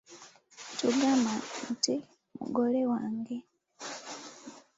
Tugama nti, mugolewange.